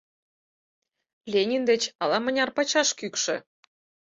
Ленин деч ала-мыняр пачаш кӱкшӧ.